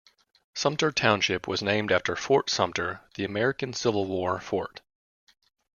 Sumter Township was named after Fort Sumter, the American Civil War fort.